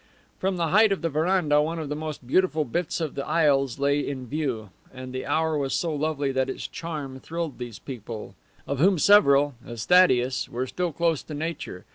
From the height of the veranda one of the most beautiful bits of the isles lay in view, and the hour was so lovely that its charm thrilled these people, of whom several, as Thaddeus, were still close to nature.